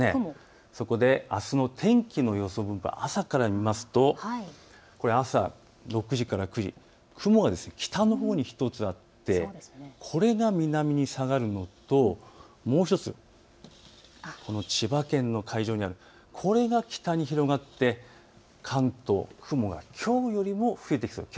そこであすの天気の予想分布、朝から見ますと朝６時から９時、雲が北のほうに１つあってこれが南に下がるのともう１つ、千葉県の海上にある、これが北に広がって関東、雲がきょうよりも増えてきそうです。